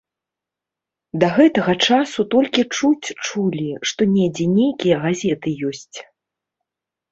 Да гэтага часу толькі чуць чулі, што недзе нейкія газеты ёсць.